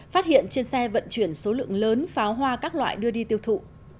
phát hiện trên xe vận chuyển số lượng lớn pháo hoa các loại đưa đi tiêu thụ